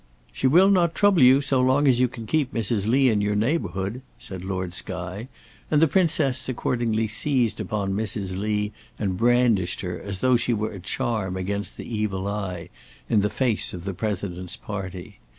"She will not trouble you so long as you can keep Mrs. Lee in your neighbourhood," said Lord Skye, and the Princess accordingly seized upon Mrs. Lee and brandished her, as though she were a charm against the evil eye, in the face of the President's party.